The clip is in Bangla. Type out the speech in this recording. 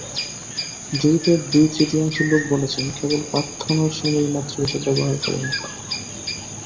জরিপের দুই-তৃতীয়াংশ লোক বলেছেন, কেবল প্রার্থনার সময়ই মাতৃভাষা ব্যবহার করেন তাঁরা।